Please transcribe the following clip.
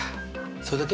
それだけ？